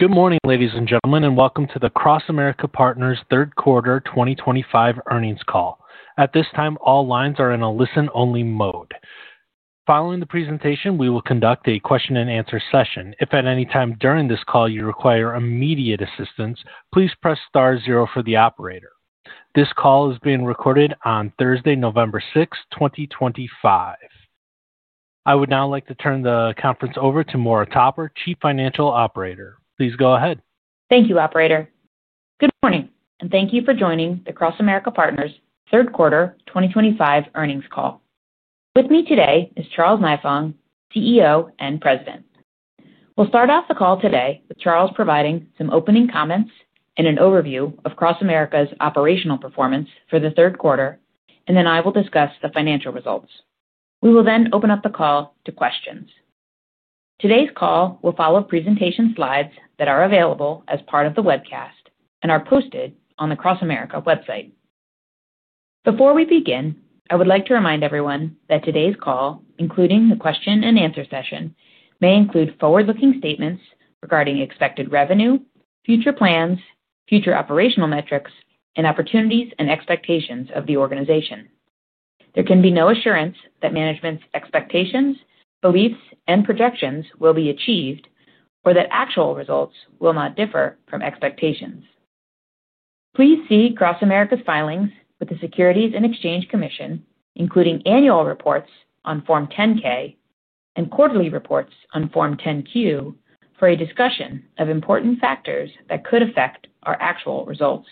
Good morning, ladies and gentlemen, and welcome to the CrossAmerica Partners third quarter 2025 earnings call. At this time, all lines are in a listen-only mode. Following the presentation, we will conduct a question-and-answer session. If at any time during this call you require immediate assistance, please press star zero for the operator. This call is being recorded on Thursday, November 6th, 2025. I would now like to turn the conference over to Maura Topper, Chief Financial Officer. Please go ahead. Thank you, Operator. Good morning, and thank you for joining the CrossAmerica Partners third quarter 2025 earnings call. With me today is Charles Nifong, CEO and President. We'll start off the call today with Charles providing some opening comments and an overview of CrossAmerica's Operational Performance for the third quarter, and then I will discuss the Financial Results. We will then open up the call to questions. Today's call will follow presentation slides that are available as part of the webcast and are posted on the CrossAmerica website. Before we begin, I would like to remind everyone that today's call, including the question-and-answer session, may include Forward-Looking Statements regarding expected revenue, future plans, future operational metrics, and opportunities and expectations of the organization. There can be no assurance that management's Expectations, Beliefs, and Projections will be achieved or that actual results will not differ from expectations. Please see CrossAmerica's Filings with the Securities and Exchange Commission, including Annual Reports on Form 10-K and quarterly reports on Form 10-Q, for a discussion of important factors that could affect our actual Results.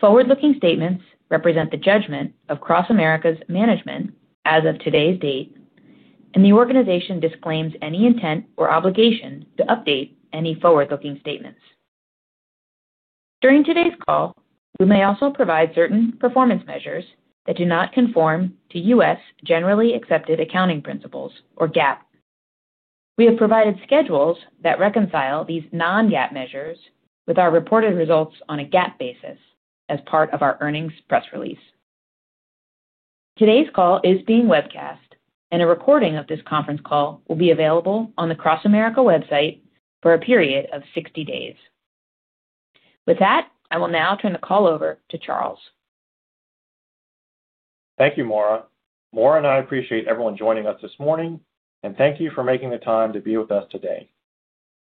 Forward-looking Statements represent the judgment of CrossAmerica's Management as of today's date, and the organization disclaims any intent or obligation to update any Forward-looking Statements. During today's call, we may also provide certain performance measures that do not conform to U.S. Generally Accepted Accounting Principles or GAAP. We have provided schedules that reconcile these non-GAAP Measures with our reported results on a GAAP Basis as part of our Earnings Press Release. Today's call is being webcast, and a recording of this conference call will be available on the CrossAmerica website for a period of 60 days. With that, I will now turn the call over to Charles. Thank you, Maura. Maura and I appreciate everyone joining us this morning, and thank you for making the time to be with us today.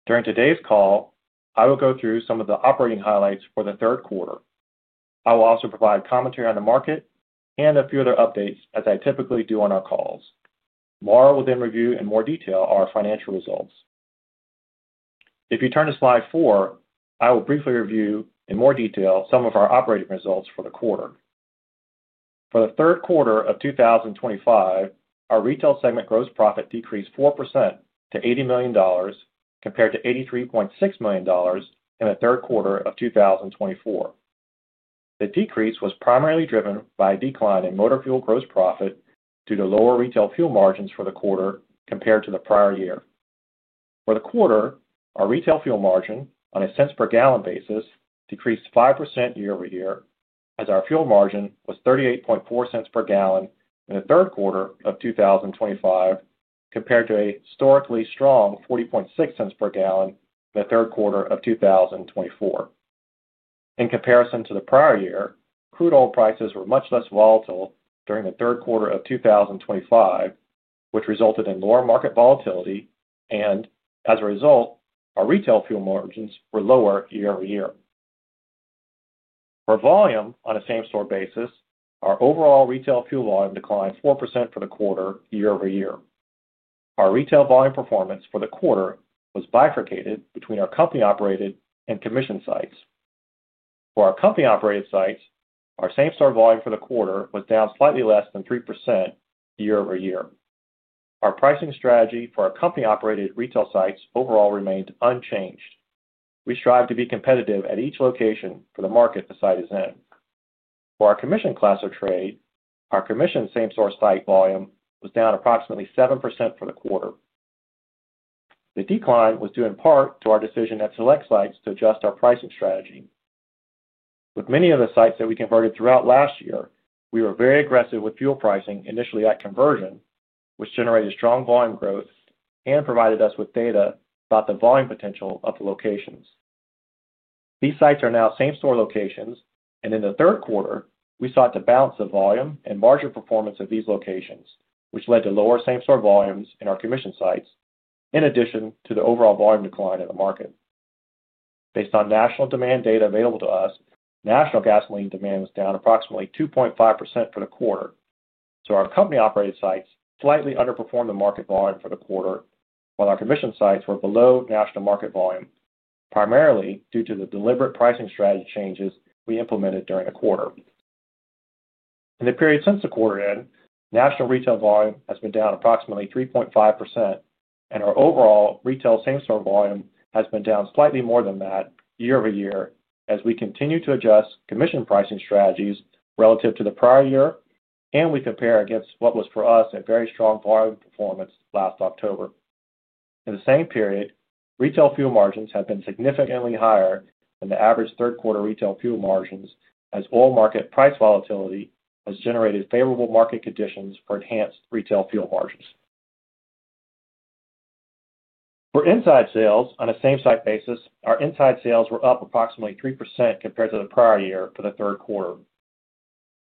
During today's call, I will go through some of the operating highlights for the third quarter. I will also provide commentary on the market and a few other updates as I typically do on our calls. Maura will then review in more detail our Financial Results. If you turn to slide four, I will briefly review in more detail some of our Operating Results for the quarter. For the third quarter of 2025, our Retail Segment Gross Profit decreased 4% to $80 million, compared to $83.6 million in the third quarter of 2024. The decrease was primarily driven by a decline in Motor Fuel Gross Profit due to lower Retail Fuel Margins for the quarter compared to the prior year. For the quarter, our Retail Fuel Margin on a cents per gallon basis decreased 5% year-over-year, as our Fuel Margin was 38.4 cents per gallon in the third quarter of 2025, compared to a historically strong 40.6 cents per gallon in the third quarter of 2024. In comparison to the prior year, crude oil prices were much less volatile during the third quarter of 2025, which resulted in lower market volatility and, as a result, our Retail Fuel Margins were lower year-over-year. For volume on a Same-Store basis, our overall Retail Fuel Volume declined 4% for the quarter year-over-year. Our retail volume performance for the quarter was bifurcated between our Company-Operated and Commission Sites. For our Company-Operated Sites, our Same-Store volume for the quarter was down slightly less than 3% year-over-year. Our pricing strategy for our Company-Operated Retail Sites overall remained unchanged. We strive to be competitive at each location for the market the site is in. For our commission class of trade, our commission Same-Store site volume was down approximately 7% for the quarter. The decline was due in part to our decision at select sites to adjust our Pricing Strategy. With many of the sites that we converted throughout last year, we were very aggressive with Fuel Pricing initially at conversion, which generated strong volume growth and provided us with data about the volume potential of the locations. These sites are now Same-Store locations, and in the third quarter, we sought to balance the volume and margin performance of these locations, which led to lower Same-Store volumes in our Commission Sites in addition to the overall volume decline in the market. Based on national demand data available to us, National Gasoline demand was down approximately 2.5% for the quarter. Our Company-Operated Sites slightly underperformed the market volume for the quarter, while our commission sites were below national market volume, primarily due to the deliberate pricing strategy changes we implemented during the quarter. In the period since the quarter end, national retail volume has been down approximately 3.5%, and our overall retail Same-Store volume has been down slightly more than that year-over-year as we continue to adjust commission pricing strategies relative to the prior year, and we compare against what was, for us, a very strong volume performance last October. In the same period, Retail Fuel Margins have been significantly higher than the average third-quarter Retail Fuel Margins, as Oil Market price volatility has generated Favorable Market Conditions for enhanced Retail Fuel Margins. For Inside Sales on a same-site basis, our Inside Sales were up approximately 3% compared to the prior year for the third quarter.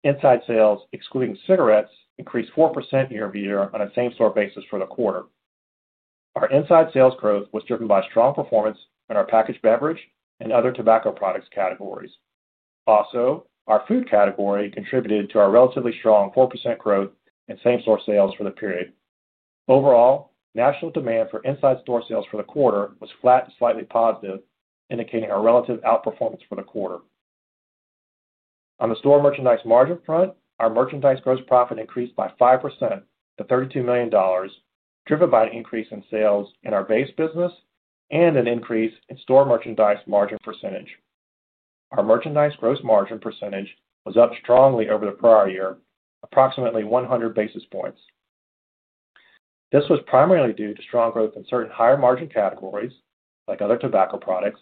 Inside Sales, excluding Cigarettes, increased 4% year-over-year on a Same-Store basis for the quarter. Our Inside Sales growth was driven by strong performance in our packaged beverage and other Tobacco Products categories. Also, our Food Category contributed to our relatively strong 4% growth in Same-Store sales for the period. Overall, national demand for inside-store sales for the quarter was flat and slightly positive, indicating a relative outperformance for the quarter. On the store merchandise margin front, our merchandise Gross Profit increased by 5% to $32 million, driven by an increase in sales in our base business and an increase in store merchandise margin percentage. Our merchandise Gross Margin percentage was up strongly over the prior year, approximately 100 basis points. This was primarily due to strong growth in certain higher margin categories, like other tobacco products,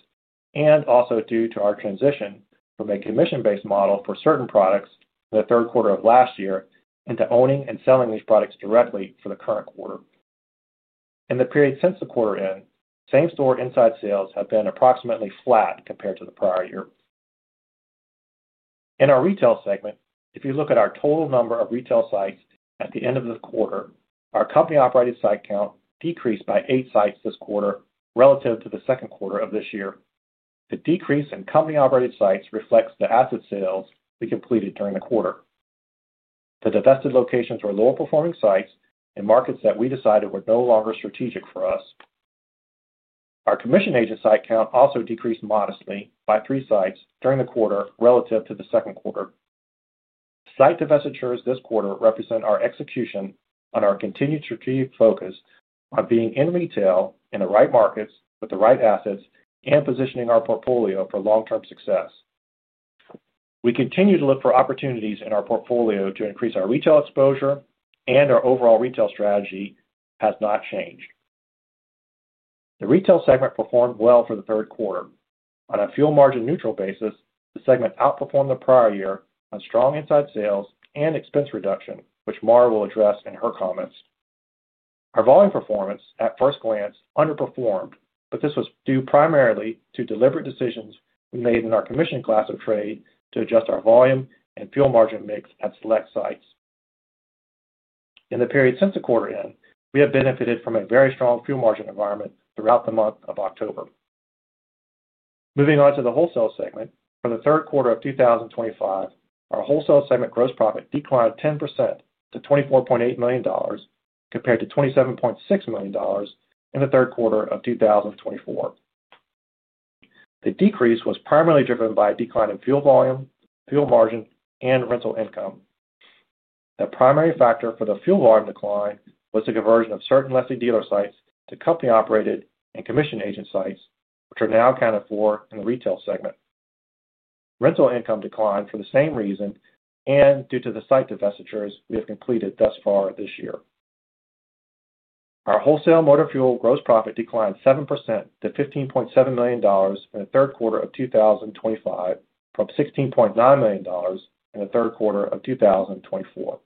and also due to our transition from a commission-based model for certain products in the third quarter of last year into owning and selling these products directly for the current quarter. In the period since the quarter end, Same-Store Inside Sales have been approximately flat compared to the prior year. In our retail segment, if you look at our total number of retail sites at the end of the quarter, our Company-Operated Site Count decreased by eight sites this quarter relative to the second quarter of this year. The decrease in Company-Operated Sites reflects the Asset Sales we completed during the quarter. The divested locations were lower-performing sites in markets that we decided were no longer strategic for us. Our commission-agent Site Count also decreased modestly by three sites during the quarter relative to the second quarter. Site divestitures this quarter represent our execution on our continued strategic focus on being in retail in the right markets with the right assets and positioning our portfolio for long-term success. We continue to look for opportunities in our portfolio to increase our retail exposure, and our overall retail strategy has not changed. The Retail Segment performed well for the third quarter. On a Fuel Margin neutral basis, the segment outperformed the prior year on strong Inside Sales and expense reduction, which Maura will address in her comments. Our volume performance, at first glance, underperformed, but this was due primarily to deliberate decisions we made in our commission class of trade to adjust our volume and Fuel Margin mix at select sites. In the period since the quarter end, we have benefited from a very strong Fuel Margin environment throughout the month of October. Moving on to the wholesale segment, for the third quarter of 2025, our wholesale segment Gross Profit declined 10% to $24.8 million compared to $27.6 million in the third quarter of 2024. The decrease was primarily driven by a decline in Fuel Volume, Fuel Margin, and Rental Income. The primary factor for the Fuel Volume decline was the conversion of certain lefty dealer sites to Company-Operated and commission-agent sites, which are now accounted for in the retail segment. Rental Income declined for the same reason and due to the site divestitures we have completed thus far this year. Our wholesale Motor Fuel Gross Profit declined 7% to $15.7 million in the third quarter of 2025 from $16.9 million in the third quarter of 2024.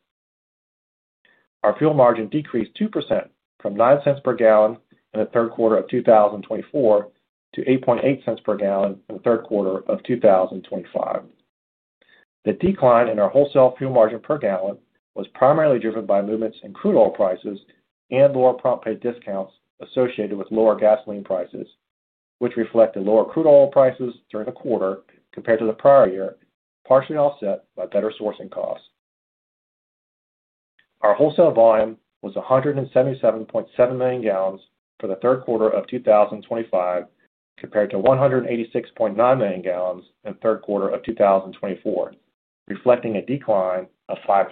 Our Fuel Margin decreased 2% from 9 cents per gallon in the third quarter of 2024 to 8.8 cents per gallon in the third quarter of 2025. The decline in our wholesale Fuel Margin per gallon was primarily driven by movements in crude oil prices and lower prompt pay discounts associated with lower gasoline prices, which reflected lower crude oil prices during the quarter compared to the prior year, partially offset by better sourcing costs. Our wholesale volume was 177.7 million gallons for the third quarter of 2025 compared to 186.9 million gallons in the third quarter of 2024, reflecting a decline of 5%.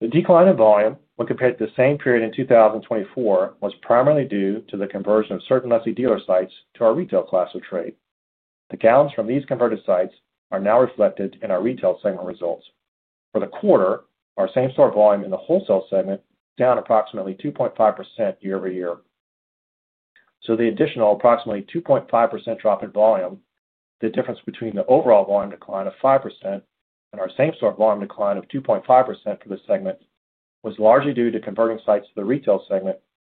The decline in volume when compared to the same period in 2024 was primarily due to the conversion of certain lessee dealer sites to our retail class of trade. The gallons from these converted sites are now reflected in our retail segment results. For the quarter, our Same-Store volume in the wholesale segment was down approximately 2.5% year-over-year. The additional approximately 2.5% drop in volume, the difference between the overall volume decline of 5% and our Same-Store volume decline of 2.5% for the segment, was largely due to converting sites to the retail segment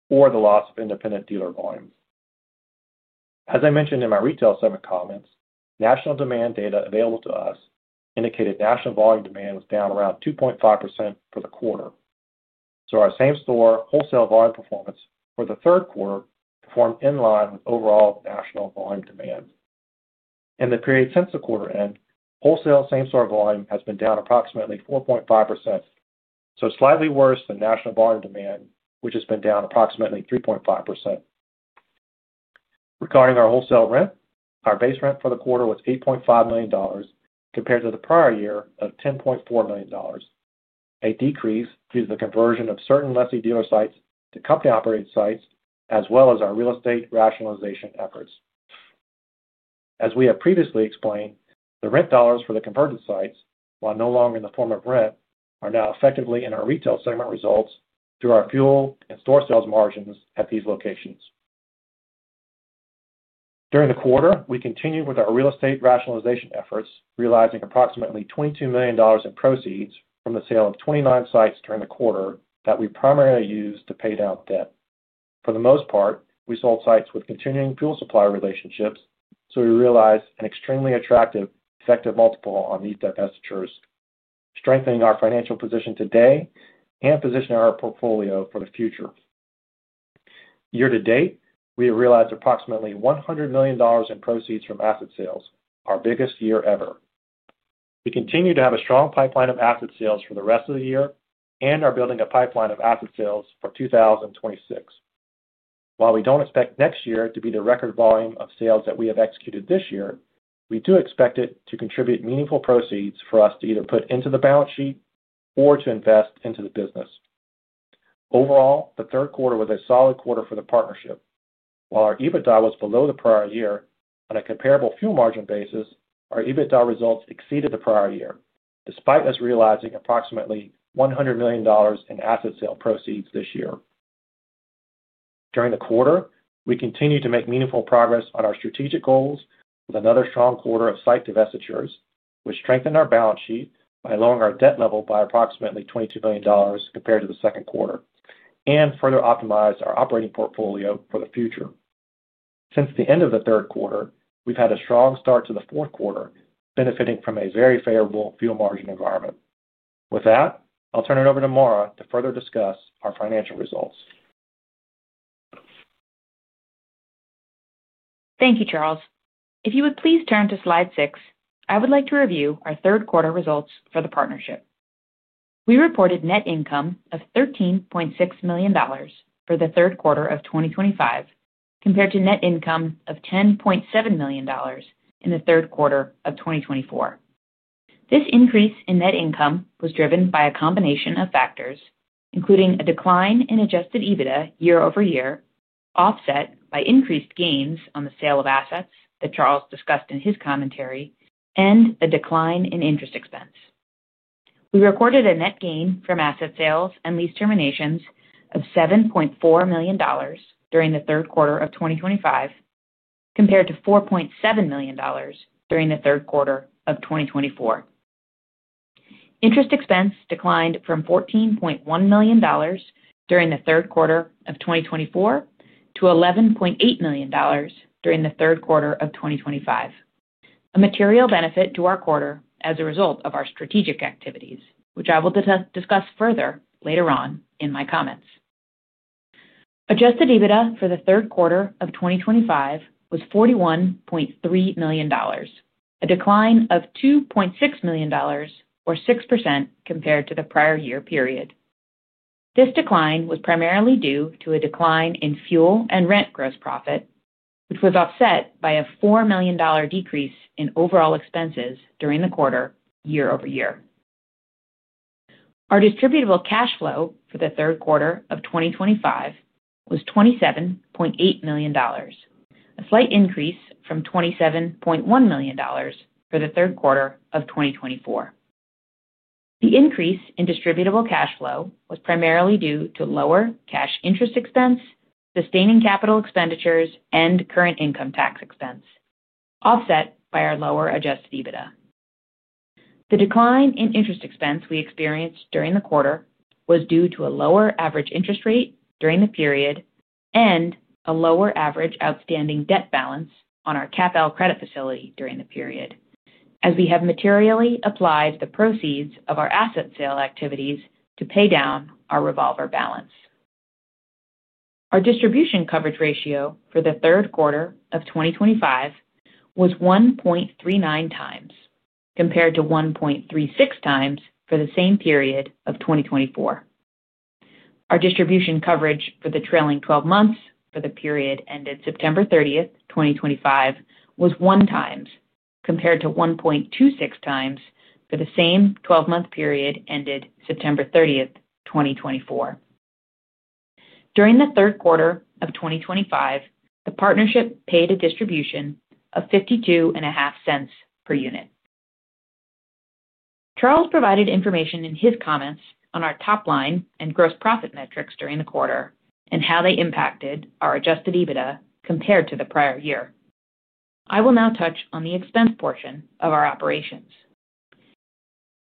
or the loss of independent dealer volume. As I mentioned in my retail segment comments, national demand data available to us indicated national volume demand was down around 2.5% for the quarter. Our Same-Store wholesale volume performance for the third quarter performed in line with overall national volume demand. In the period since the quarter end, wholesale Same-Store Volume has been down approximately 4.5%, slightly worse than national volume demand, which has been down approximately 3.5%. Regarding our wholesale rent, our base rent for the quarter was $8.5 million compared to the prior year of $10.4 million. A decrease due to the conversion of certain lefty dealer sites to Company-Operated Sites, as well as our real estate rationalization efforts. As we have previously explained, the rent dollars for the converted sites, while no longer in the form of rent, are now effectively in our retail segment results through our fuel and store sales margins at these locations. During the quarter, we continued with our real estate rationalization efforts, realizing approximately $22 million in proceeds from the sale of 29 sites during the quarter that we primarily used to pay down debt. For the most part, we sold sites with continuing Fuel Supply relationships, so we realized an extremely attractive effective multiple on these divestitures, strengthening our financial position today and positioning our portfolio for the future. Year-to-date, we have realized approximately $100 million in proceeds from Asset Sales, our biggest year ever. We continue to have a strong pipeline of Asset Sales for the rest of the year and are building a pipeline of as Asset Sales for 2026. While we do not expect next year to be the record volume of sales that we have executed this year, we do expect it to contribute meaningful proceeds for us to either put into the Balance Sheet or to invest into the business. Overall, the third quarter was a solid quarter for the partnership. While our EBITDA was below the prior year on a comparable Fuel Margin basis, our EBITDA results exceeded the prior year, despite us realizing approximately $100 million in Asset Sale proceeds this year. During the quarter, we continued to make meaningful progress on our strategic goals with another strong quarter of site divestitures, which strengthened our Balance Sheet by lowering our debt level by approximately $22 million compared to the second quarter and further optimized our Operating Portfolio for the future. Since the end of the third quarter, we've had a strong start to the fourth quarter, benefiting from a very favorable Fuel Margin environment. With that, I'll turn it over to Maura to further discuss our Financial Results. Thank you, Charles. If you would please turn to slide six, I would like to review our third-quarter results for the partnership. We reported Net Income of $13.6 million for the third quarter of 2025 compared to Net Income of $10.7 million in the third quarter of 2024. This increase in Net Income was driven by a combination of factors, including a decline in Adjusted EBITDA year-over-year, offset by increased gains on the sale of assets that Charles discussed in his commentary, and a decline in Interest Expense. We recorded a Net Gain from Asset Sales and lease terminations of $7.4 million during the third quarter of 2025, compared to $4.7 million during the third quarter of 2024. Interest Expense declined from $14.1 million during the third quarter of 2024 to $11.8 million during the third quarter of 2025. A material benefit to our quarter as a result of our Strategic Activities, which I will discuss further later on in my comments. Adjusted EBITDA for the third quarter of 2025 was $41.3 million, a decline of $2.6 million, or 6% compared to the prior year period. This decline was primarily due to a decline in Fuel and Rent Gross Profit, which was offset by a $4 million decrease in overall expenses during the quarter year-over-year. Our distributable cash flow for the third quarter of 2025 was $27.8 million, a slight increase from $27.1 million for the third quarter of 2024. The increase in distributable cash flow was primarily due to lower Cash Interest Expense, Sustaining Capital Expenditures, and Current Income Tax Expense, offset by our lower Adjusted EBITDA. The decline in Interest Expense we experienced during the quarter was due to a lower average Interest Rate during the period. A lower average outstanding debt balance on our CapEx Credit Facility during the period, as we have materially applied the proceeds of our Asset Sale Activities to pay down our revolver balance. Our Distribution Coverage Ratio for the third quarter of 2025 was 1.39 times compared to 1.36 times for the same period of 2024. Our Distribution Coverage for the trailing 12 months for the period ended September 30th, 2025, was 1 times compared to 1.26 times for the same 12-month period ended September 30th, 2024. During the third quarter of 2025, the partnership paid a distribution of $0.525 per unit. Charles provided information in his comments on our top line and Gross Profit metrics during the quarter and how they impacted our Adjusted EBITDA compared to the prior year. I will now touch on the expense portion of our operations.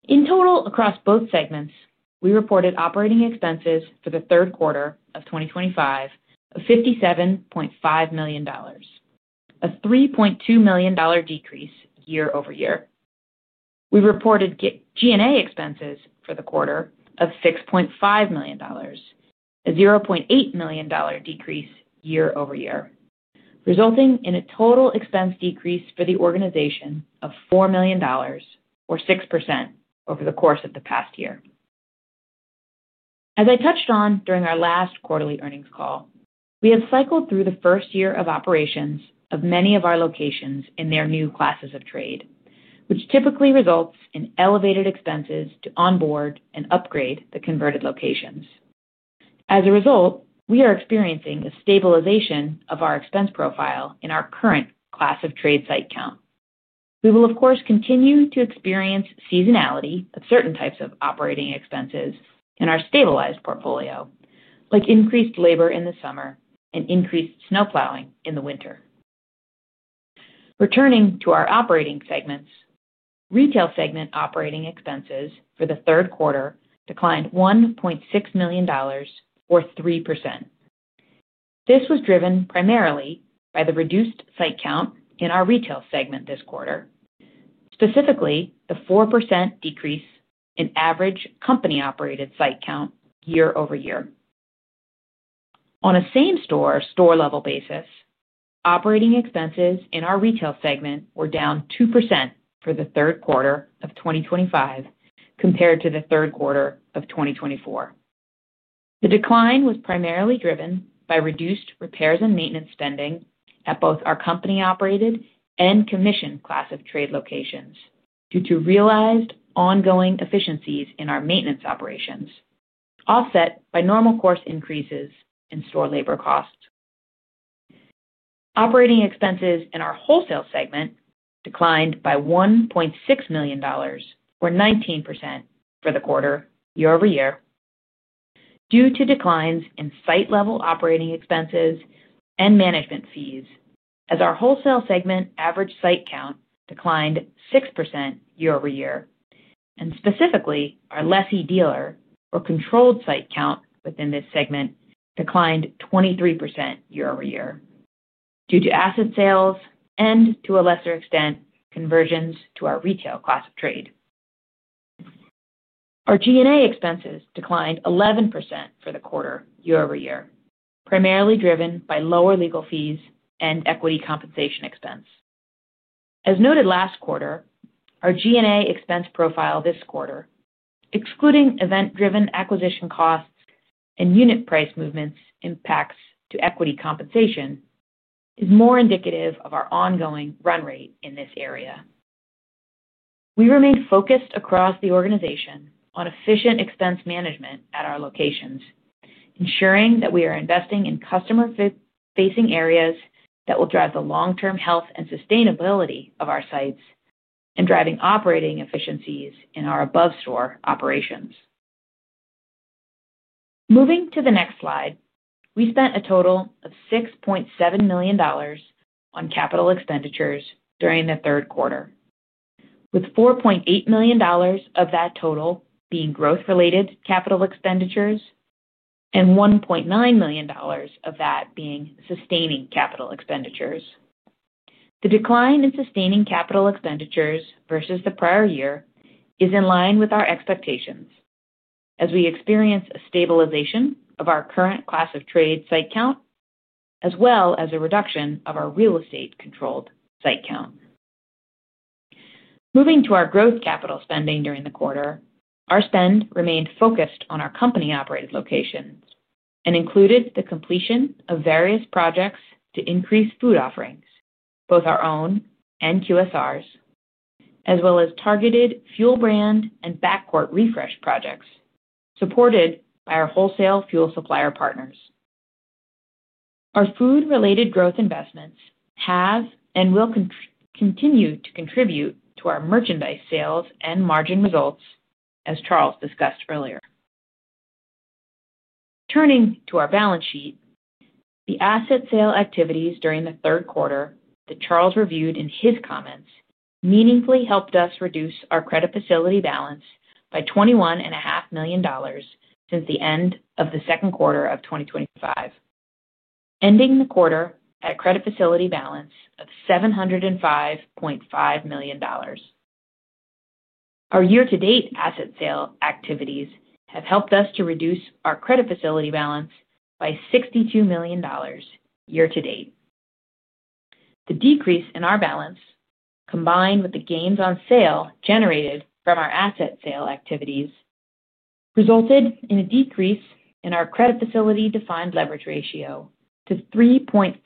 In total, across both segments, we reported operating expenses for the third quarter of 2025 of $57.5 million, a $3.2 million decrease year-over-year. We reported G&A Expenses for the quarter of $6.5 million, a $0.8 million decrease year-over-year, resulting in a Total Expense decrease for the organization of $4 million, or 6%, over the course of the past year. As I touched on during our last quarterly earnings call, we have cycled through the first year of operations of many of our locations in their new classes of trade, which typically results in elevated expenses to onboard and upgrade the converted locations. As a result, we are experiencing a stabilization of our expense profile in our current class of trade Site Count. We will, of course, continue to experience seasonality of certain types of operating expenses in our Stabilized Portfolio, like increased labor in the summer and increased snowplowing in the winter. Returning to our Operating Segments, Retail Segment Operating Expenses for the third quarter declined $1.6 million, or 3%. This was driven primarily by the reduced Site Count in our Retail Segment this quarter, specifically the 4% decrease in average Company-Operated Site Count year-over-year. On a Same-Store store-level basis, Operating Expenses in our retail segment were down 2% for the third quarter of 2025 compared to the third quarter of 2024. The decline was primarily driven by reduced repairs and maintenance spending at both our Company-Operated and commissioned class of trade locations due to realized ongoing efficiencies in our maintenance operations, offset by normal course increases in store labor costs. Operating Expenses in our wholesale segment declined by $1.6 million, or 19%, for the quarter year-over-year. Due to declines in site-level Operating Expenses and management fees, as our wholesale segment Average Site Count declined 6% year-over-year, and specifically our lessee dealer or controlled Site Count within this segment declined 23% year-over-year due to Asset Sales and, to a lesser extent, conversions to our retail class of trade. Our G&A Expenses declined 11% for the quarter year-over-year, primarily driven by lower legal fees and equity compensation expense. As noted last quarter, our G&A Expense profile this quarter, excluding event-driven acquisition costs and unit price movements impacts to equity compensation, is more indicative of our ongoing run rate in this area. We remain focused across the organization on efficient expense management at our locations, ensuring that we are investing in customer-facing areas that will drive the long-term health and sustainability of our sites and driving operating efficiencies in our above-store operations. Moving to the next slide, we spent a total of $6.7 million on capital expenditures during the third quarter, with $4.8 million of that total being growth-related Capital Expenditures and $1.9 million of that being sustaining Capital Expenditures. The decline in sustaining Capital Expenditures versus the prior year is in line with our expectations, as we experience a stabilization of our current class of trade Site Count, as well as a reduction of our real estate-controlled Site Count. Moving to our growth capital spending during the quarter, our spend remained focused on our Company-Operated locations and included the completion of various projects to increase food offerings, both our own and QSR's, as well as targeted Fuel Brand and backcourt refresh projects supported by our wholesale Fuel Supplier Partners. Our Food-related growth Investments have and will continue to contribute to our merchandise sales and margin results, as Charles discussed earlier. Turning to our Balance Sheet, the Asset Sale Activities during the third quarter that Charles reviewed in his comments meaningfully helped us reduce our Credit Facility Balance by $21.5 million since the end of the second quarter of 2025, ending the quarter at a Credit Facility Balance of $705.5 million. Our year-to-date Asset Sale Activities have helped us to reduce our Credit Facility Balance by $62 million year to date. The decrease in our balance, combined with the gains on sale generated from our Asset Sale Activities, resulted in a decrease in our Credit Facility defined leverage ratio to 3.56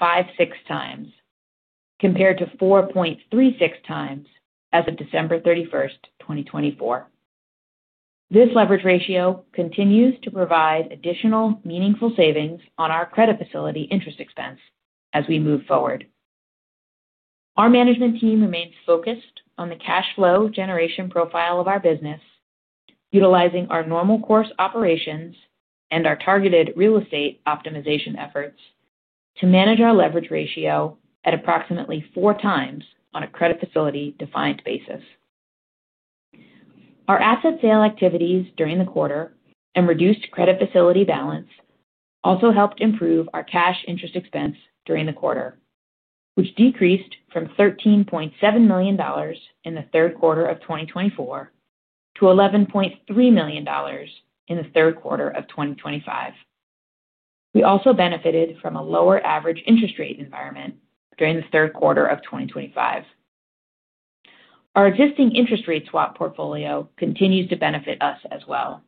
times compared to 4.36 times as of December 31, 2024. This leverage ratio continues to provide additional meaningful savings on our Credit Facility Interest Expense as we move forward. Our management team remains focused on the cash flow generation profile of our business. Utilizing our normal course operations and our targeted real estate optimization efforts to manage our Leverage Ratio at approximately four times on a Credit Facility-defined basis. Our Asset Sale Activities during the quarter and reduced Credit Facility Balance also helped improve our Cash Interest Expense during the quarter, which decreased from $13.7 million in the third quarter of 2024 to $11.3 million in the third quarter of 2025. We also benefited from a lower average Interest Rate environment during the third quarter of 2025. Our existing Interest Rate swap portfolio continues to benefit us as well.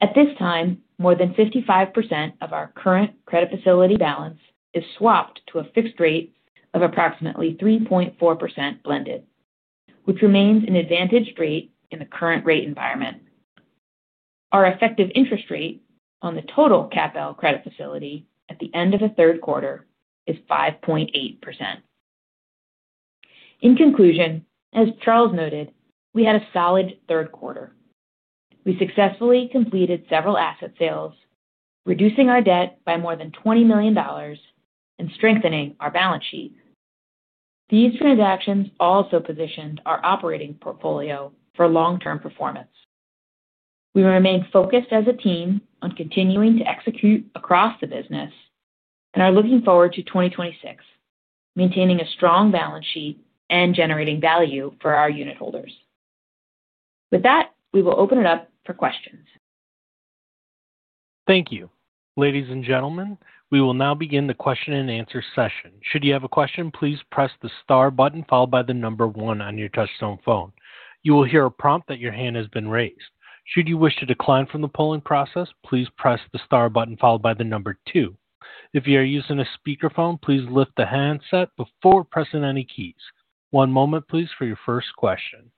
At this time, more than 55% of our current Credit Facility Balance is swapped to a Fixed Rate of approximately 3.4% blended, which remains an advantaged rate in the current rate environment. Our effective Interest Rate on the Total CapEx Credit Facility at the end of the third quarter is 5.8%. In conclusion, as Charles noted, we had a solid third quarter. We successfully completed several Asset Sales, reducing our debt by more than $20 million and strengthening our Balance Sheet. These transactions also positioned our Operating Portfolio for long-term performance. We remain focused as a team on continuing to execute across the business and are looking forward to 2026, maintaining a strong balance sheet and generating value for our unitholders. With that, we will open it up for questions. Thank you. Ladies and gentlemen, we will now begin the question-and-answer session. Should you have a question, please press the star button followed by the number one on your touch-tone phone. You will hear a prompt that your hand has been raised. Should you wish to decline from the polling process, please press the star button followed by the number two. If you are using a speakerphone, please lift the handset before pressing any keys. One moment, please, for your first question.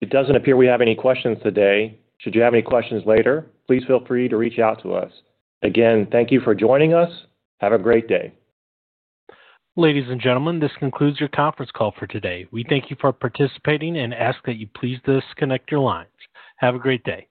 It doesn't appear we have any questions today. Should you have any questions later, please feel free to reach out to us. Again, thank you for joining us. Have a great day. Ladies and gentlemen, this concludes your conference call for today. We thank you for participating and ask that you please disconnect your lines. Have a great day.